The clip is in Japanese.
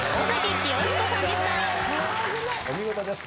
お見事です。